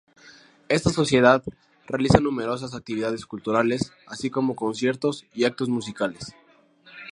Esta Sociedad, realiza numerosas actividades culturales así como conciertos y actos musicales.